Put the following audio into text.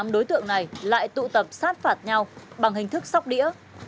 hai mươi tám đối tượng này lại tụ tập sát phạt nhau bằng hình thức sóc đĩa